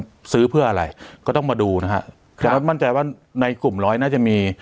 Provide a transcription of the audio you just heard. ซื้อเพื่ออะไรก็ต้องมาดูนะฮะแต่ว่ามั่นใจว่าในกลุ่มร้อยน่าจะมี